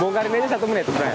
bongkar ini aja satu menit